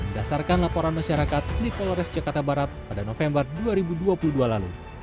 berdasarkan laporan masyarakat di polores jakarta barat pada november dua ribu dua puluh dua lalu